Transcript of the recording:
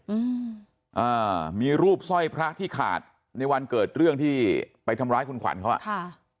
อืมอ่ามีรูปสร้อยพระที่ขาดในวันเกิดเรื่องที่ไปทำร้ายคุณขวัญเขาอ่ะค่ะ